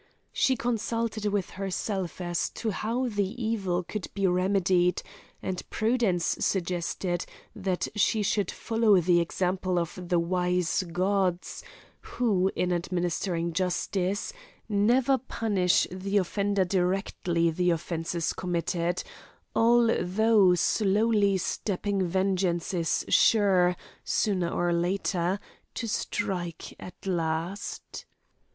She consulted with herself as to how the evil could be remedied, and prudence suggested that she should follow the example of the wise gods, who, in administering justice, never punish the offender directly the offence is committed; although slowly stepping vengeance is sure, sooner or later, to strike at last.